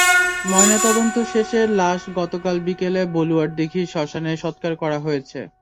ময়নাতদন্ত শেষে লাশ গতকাল বিকেলে বলুয়ার দীঘির শ্মশানে সৎকার করা হয়েছে।